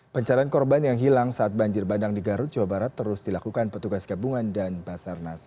pencarian korban yang hilang saat banjir bandang di garut jawa barat terus dilakukan petugas gabungan dan basarnas